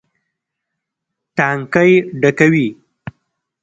ټانکۍ ډکوي.